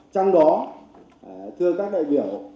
trong đó thưa các đại biểu